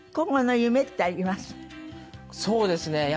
そうですか。